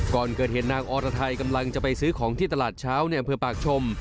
ก่อนเกิดเหตุนางอรไทยกำลังจะไปซื้อของที่ตลาดเช้าในอำเภอปากชม